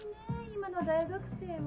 今の大学生は。